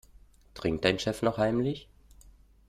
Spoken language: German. Trinkt dein Chef noch heimlich?